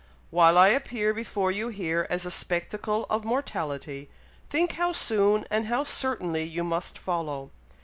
While I appear before you here as a spectacle of mortality, think how soon and how certainly you must follow.